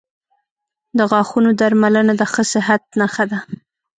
• د غاښونو درملنه د ښه صحت نښه ده.